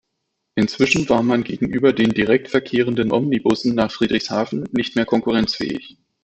Inzwischen war man gegenüber den direkt verkehrenden Omnibussen nach Friedrichshafen nicht mehr konkurrenzfähig.